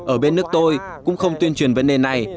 ở bên nước tôi cũng không tuyên truyền vấn đề này